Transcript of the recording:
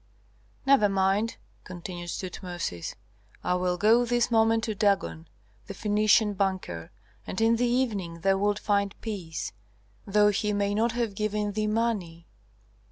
"Never mind," continued Tutmosis. "I will go this moment to Dagon, the Phœnician banker, and in the evening thou wilt find peace, though he may not have given thee money."